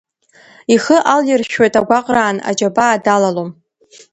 Ихы алиршәшәоит агәаҟраан, аџьабаа далалом.